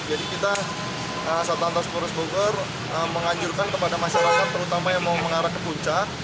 jadi kita saat antar sepuluh puluh sepuluh ber mengajurkan kepada masyarakat terutama yang mau mengarah ke puncak